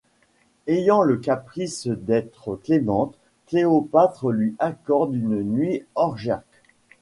Ayant le caprice d'être clémente, Cléopâtre lui accorde une nuit orgiaque.